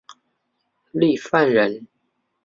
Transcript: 郦范人。